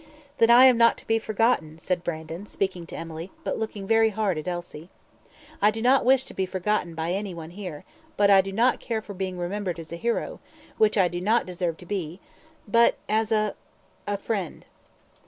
"Then I am not be forgotten," said Brandon, speaking to Emily, but looking very hard at Elsie. "I do not wish to be forgotten by any one here; but I do not care for being remembered as a hero, which I do not deserve to be but as a a friend."